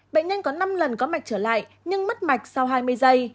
bệnh nhân có năm lần có mạch trở lại nhưng mất mạch sau hai mươi giây